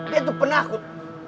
dia tuh penakut